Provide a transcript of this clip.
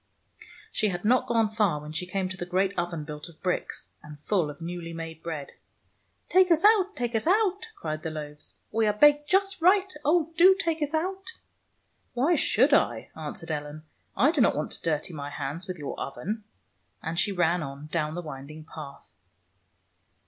She had not gone far when she came to the great oven built of bricks, and full of newly made bread. " Take us out! Take us out! " cried the loaves. "We are baked just right. Oh, do take us out !"" Why should I? " answered Ellen. " I do not want to dirty my hands with your [ 152 ] OLD MOTHER HOLLE oven." And she ran on down the winding path.